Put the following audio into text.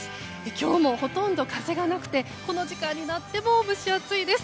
今日もほとんど風がなくてこの時間になっても蒸し暑いです。